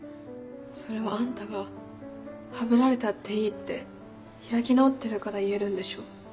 それはあんたがハブられたっていいって開き直ってるから言えるんでしょ？